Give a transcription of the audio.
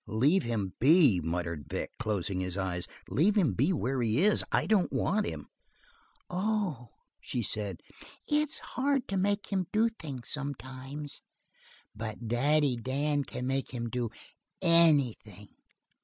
"Leave him be," muttered Vic, closing his eyes. "Leave him be where he is. I don't want him." "Oh," she said, "it's hard to make him do things, sometimes. But Daddy Dan can make him do anything."